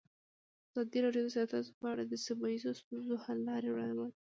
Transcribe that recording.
ازادي راډیو د سیاست په اړه د سیمه ییزو ستونزو حل لارې راوړاندې کړې.